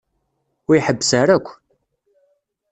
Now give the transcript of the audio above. Ur iḥebbes ara akk.